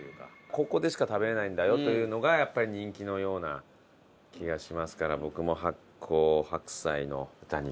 ここでしか食べれないんだよというのがやっぱり人気のような気がしますから僕も発酵白菜の豚肉炒め。